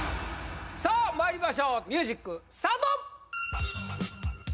さあまいりましょうミュージックスタート！